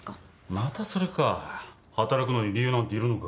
またそれか働くのに理由なんているのか。